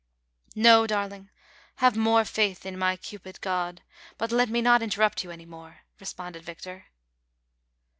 "■ ISTo, darling, have more faith in my Cupid God ; but let me not interrupt you any more," responded Victor.